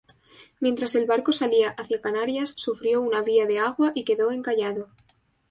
Mientras el barco salía hacia Canarias, sufrió una vía de agua y quedó encallado.